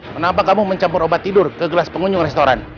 kenapa kamu mencampur obat tidur ke gelas pengunjung restoran